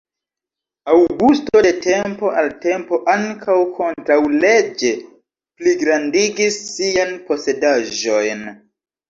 Aŭgusto de tempo al tempo ankaŭ kontraŭleĝe pligrandigis sian posedaĵojn.